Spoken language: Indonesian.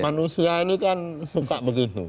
manusia ini kan suka begitu